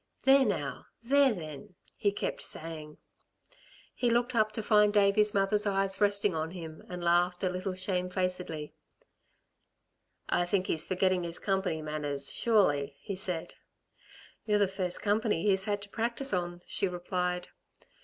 "There now! There then!" he kept saying. He looked up to find Davey's mother's eyes resting on him and laughed a little shamefacedly. "I think he's forgetting his company manners, surely," he said. "You're the first company he's had to practise on," she replied.